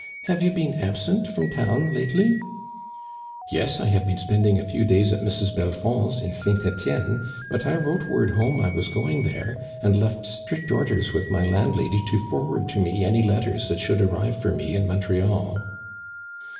Have you been absent from town lately ?"*" Yes, I have been spending a few days at Mrs. Belfond's, in St. Etienne, but I wrote word home I was going there, an<l left strict orders with my landlsuly to forward to me any letters that should arrive for me in Montreal."